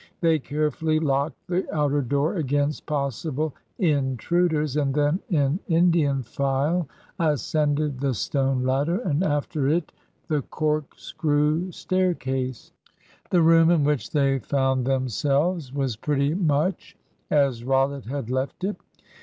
They carefully locked the outer door against possible intruders, and then in Indian file ascended the stone ladder, and after it the corkscrew staircase. The room in which they found themselves was pretty much as Rollitt had left it.